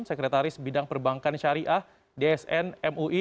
sekretaris bidang perbankan syariah dsn mui